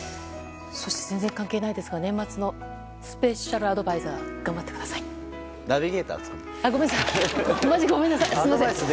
そして全然関係ないですが年末のスペシャルアドバイザー頑張ってください。